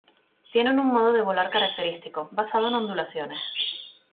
Tienen un modo de volar característico, basado en ondulaciones.